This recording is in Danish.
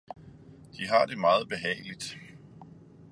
De har det meget behageligt!